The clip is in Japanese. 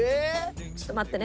ちょっと待ってね。